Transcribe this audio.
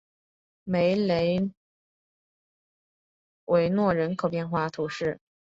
梅雷维勒人口变化图示